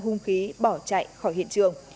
hung khí bỏ chạy khỏi hiện trường